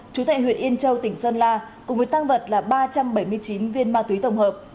chú tại huyện yên châu tỉnh sơn la cùng với tăng vật là ba trăm bảy mươi chín viên ma túy tổng hợp